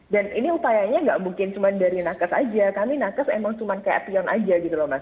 dan ini upayanya gak mungkin dari nakes aja kami nakes emang cuma kayak apion aja gitu loh mas